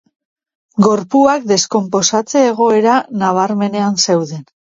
Gorpuak deskonposatze-egoera nabarmenean zeuden.